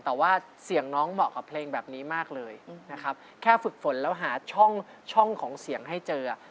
แต่ว่าเสียงน้องเหมาะกับเพลงแบบนี้มากเลยนะครับแค่ฝึกฝนแล้วหาช่องของเสียงให้เจอ